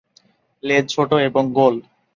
লেজ ছোট এবং গোল।